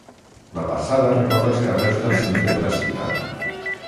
La Passada recorre els carrers del centre de la ciutat.